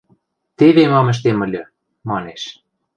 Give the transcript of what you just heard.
– Теве мам ӹштем ыльы! – манеш